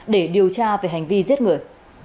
để điều tra về hành vi giết người